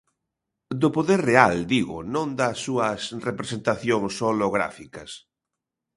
Do poder real, digo, non das súas representacións holográficas.